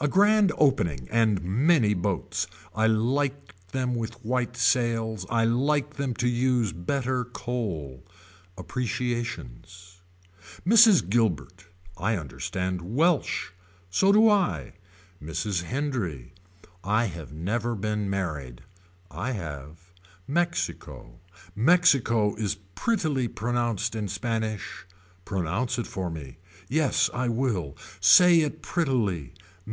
A grand opening and many boats. I like them with white sails. I like them to use better coal. Appreciations. Mrs. Guilbert. I understand Welsh. So do I. Mrs. Hendry. I have never been married. I have. Mexico. Mexico is prettily pronounced in Spanish. Pronounce it for me. Yes I will. Say it prettily.